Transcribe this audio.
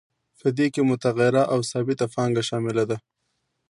په دې کې متغیره او ثابته پانګه شامله ده